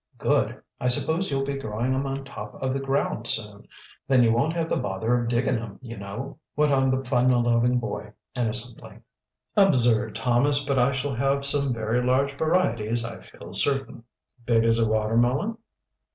"Good! I suppose you'll be growing 'em on top of the ground soon. Then you won't have the bother of digging 'em, you know," went on the fun loving boy innocently. "Absurd, Thomas! But I shall have some very large varieties, I feel certain." "Big as a watermelon?"